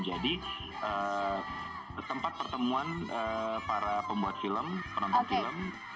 jadi tempat pertemuan para pembuat film penonton film